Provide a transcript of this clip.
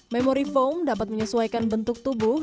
memory foam dapat menyesuaikan bentuk tubuh